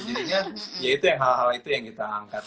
jadi ya itu hal hal itu yang kita angkat